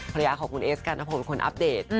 ภรรยาของคุณเอสกันนะครับผมคุณอัปเดต